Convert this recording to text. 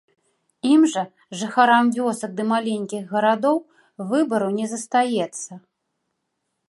Ім жа, жыхарам вёсак ды маленькіх гарадоў, выбару не застаецца.